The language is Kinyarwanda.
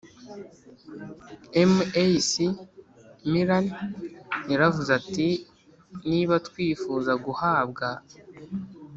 MacMillan yaravuze ati niba twifuza guhabwa